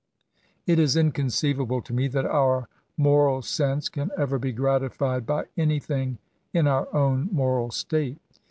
It is inconceivable to me tiiat our moral sensift can ever be gratified by anything in our own taioral statb.